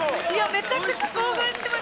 めちゃくちゃ興奮してます！